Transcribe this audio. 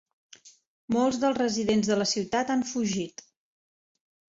Molts dels residents de la ciutat han fugit.